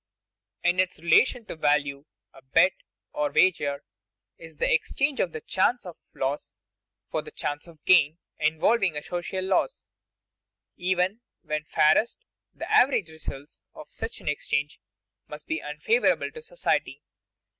_In its relation to value, a bet, or wager, is the exchange of the chance of loss for the chance of gain, involving a social loss._ Even when fairest, the average results of such an exchange must be unfavorable to society.